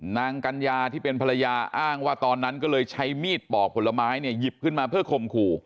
กัญญาที่เป็นภรรยาอ้างว่าตอนนั้นก็เลยใช้มีดปอกผลไม้เนี่ยหยิบขึ้นมาเพื่อคมขู่